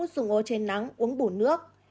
dùng ô trên nắng uống bổ nước